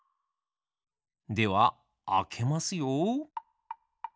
ではあけますよ。